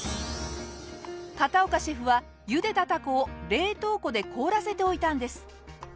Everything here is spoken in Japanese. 片岡シェフは茹でたタコを冷凍庫で凍らせておいたんです。